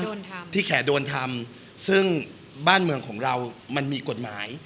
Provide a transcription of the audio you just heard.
โดนทำที่แขกโดนทำซึ่งบ้านเมืองของเรามันมีกฎหมาย